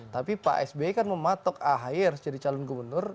tapi pak sby kan mematok ahy harus jadi calon gubernur